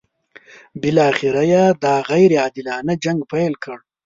بالاخره یې دا غیر عادلانه جنګ پیل کړ.